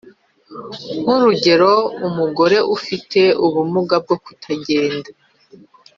Nk’urugero umugore ufite ubumuga bwo kutagenda.